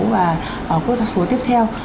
và quốc gia số tiếp theo